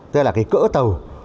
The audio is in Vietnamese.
tức là cái cỡ tàu